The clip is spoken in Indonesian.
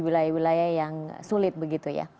wilayah wilayah yang sulit begitu ya